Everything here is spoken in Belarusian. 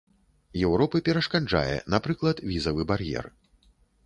Еўропы перашкаджае, напрыклад, візавы бар'ер.